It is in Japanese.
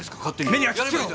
目に焼き付けろ！